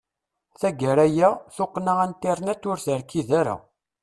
Taggara aya, tuqqna internet ur terkid ara.